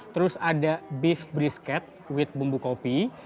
terus ada beef brisket with bumbu kopi